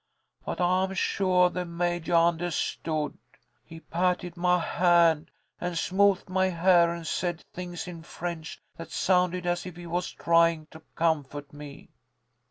But I am suah the Majah undahstood. He patted my hand and smoothed my hair and said things in French that sounded as if he was tryin' to comfort me.